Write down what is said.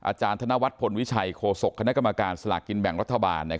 อาจารย์ธนวัฒนพลวิชัยโฆษกคณะกรรมการสลากกินแบ่งรัฐบาล